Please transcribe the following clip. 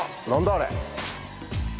あれ。